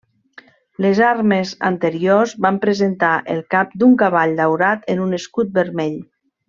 Les armes anteriors van presentar el cap d'un cavall daurat en un escut vermell.